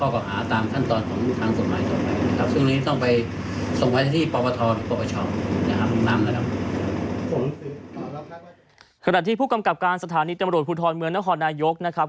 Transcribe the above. ขณะที่ผู้กำกับการสถานีตำรวจภูทรเมืองนครนายกนะครับ